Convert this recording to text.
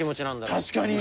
確かに。